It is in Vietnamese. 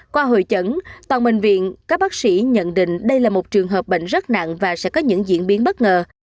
qua hội chẩn toàn bệnh viện các bác sĩ nhận định đây là một trường hợp bệnh rất nặng và sẽ có những diễn biến bất ngờ